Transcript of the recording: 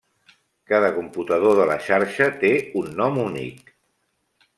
Cada computador de la xarxa té un nom únic.